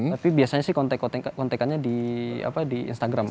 tapi biasanya sih kontekannya di instagram